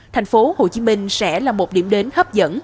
thành phố hồ chí minh sẽ là một điểm đến hấp dẫn